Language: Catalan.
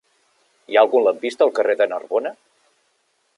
Hi ha algun lampista al carrer de Narbona?